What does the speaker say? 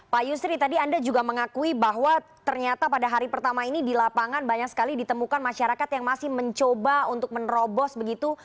pak yusri tadi anda juga mengakui bahwa ternyata pada hari pertama ini di lapangan banyak sekali ditemukan masyarakat yang masih mencoba untuk menerobos begitu